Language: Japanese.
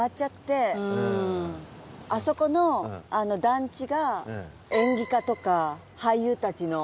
あそこの団地が演技科とか俳優たちの。